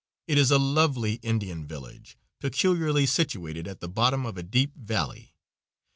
It is a lovely Indian village, peculiarly situated at the bottom of a deep valley.